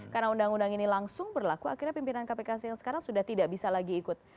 karena undang undang ini langsung berlaku akhirnya pimpinan kpk yang sekarang sudah tidak bisa lagi ikut